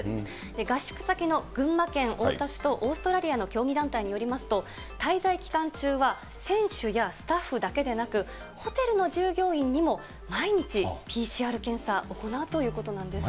合宿先の群馬県太田市とオーストラリアの競技団体によりますと、滞在期間中は選手やスタッフだけでなく、ホテルの従業員にも毎日ＰＣＲ検査、行うということなんです。